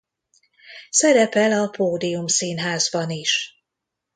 Szerepel a Pódium Színházban is.